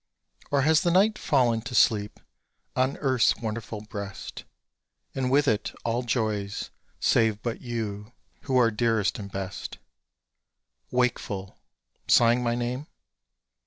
Or has the night fallen to sleep on earth's wonderful breast, And with it, all joys, save but you, who are dearest and best, Wakeful sighing my name?